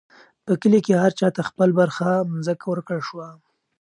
په کلي کې هر چا ته خپله برخه مځکه ورکړل شوه.